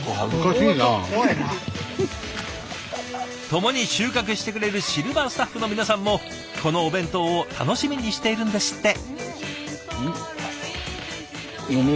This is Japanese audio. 共に収穫してくれるシルバースタッフの皆さんもこのお弁当を楽しみにしているんですって！